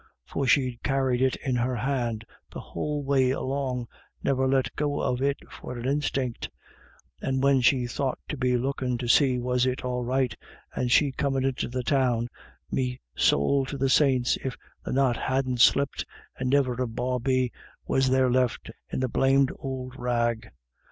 For she'd carried it in her hand the whole way along, niver let go of it for an instiant, and when she thought to be lookin' to see was it all right, and she comin' into the Town, me sowl to the saints if the knot hadn't slipped, and niver a bawbee was there left in the blamed ould rag.